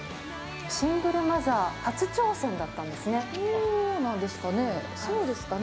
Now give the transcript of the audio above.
シングルマザー初挑戦だったそうなんですかね。